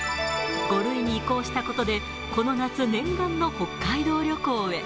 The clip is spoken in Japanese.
５類に移行したことで、この夏、念願の北海道旅行へ。